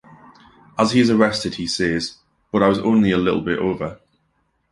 As he is arrested he says, But I was only a little bit over.